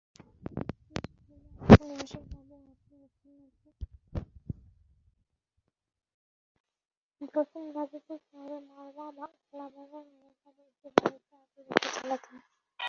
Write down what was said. জসিম গাজীপুর শহরের মারওয়া কলাবাগান এলাকার একটি বাড়িতে থেকে অটোরিকশা চালাতেন।